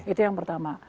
itu yang pertama